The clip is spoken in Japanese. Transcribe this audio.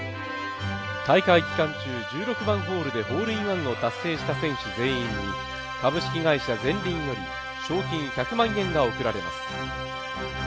大会期間中１６番ホールでホールインワンを達成した選手全員に選手全員に株式会社ゼンリンより賞金１００万円が贈られます。